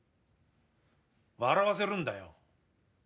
笑わせるんだよ。